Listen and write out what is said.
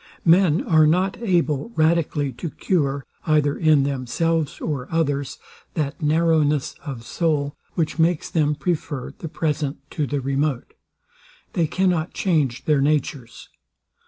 Men are not able radically to cure, either in themselves or others, that narrowness of soul, which makes them prefer the present to the remote. They cannot change their natures.